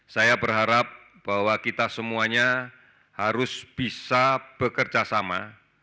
saya berharap bahwa kita semuanya harus bisa bekerjasama